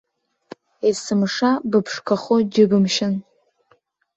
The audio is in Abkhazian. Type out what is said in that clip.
Есымша быԥшқахо џьыбымшьан.